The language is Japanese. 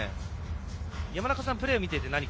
山中さん、プレーを見ていて何か。